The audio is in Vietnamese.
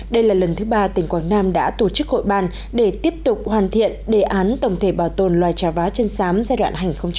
đây là lần thứ ba tỉnh quảng nam đã tổ chức hội bàn để tiếp tục hoàn thiện đề án tổng thể bảo tồn loài trà vá chân sám giai đoạn hai nghìn một mươi chín hai nghìn hai mươi